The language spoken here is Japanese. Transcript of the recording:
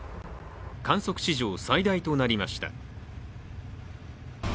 観測史上最大となりました。